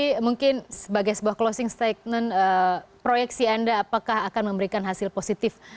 ini mungkin sebagai sebuah closing statement proyeksi anda apakah akan memberikan hasil positif